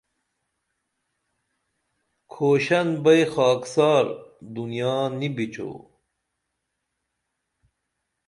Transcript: کھوشن بئی خاکسار دنیا نی بِچو